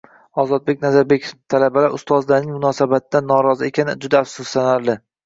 Ozodbek Nazarbekov: “Talabalar ustozlarning munosabatidan norozi ekani juda afsuslanarli”